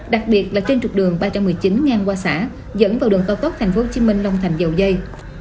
đặc biệt là trên trục đường ba trăm một mươi chín ngang qua xã dẫn vào đường cao tốc tp hcm long thành dầu dây